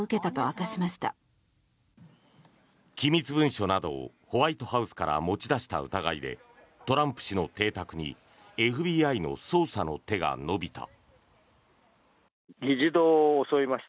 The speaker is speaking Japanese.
機密文書などをホワイトハウスから持ち出した疑いでトランプ氏の邸宅にＦＢＩの捜査の手が伸びた。